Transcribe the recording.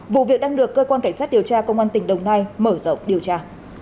vụ việc đang được cơ quan cảnh sát điều tra công an tỉnh đồng nai mở rộng điều tra